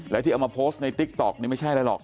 แล้วเธอมาโพสต์ในทิคต๊อกมันไม่ใช่แหละหรอก